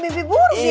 mimpi buruk dia